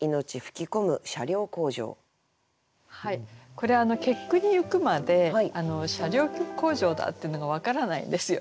これ結句にいくまで車両工場だっていうのが分からないんですよね。